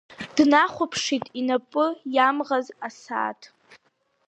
Днахәаԥшит инапы иамӷаз асааҭ!